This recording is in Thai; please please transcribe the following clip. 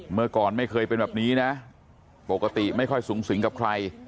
เมื่อก่อนไม่เคยเป็นแบบนี้นะปกติไม่ค่อยสูงสิงกับใคร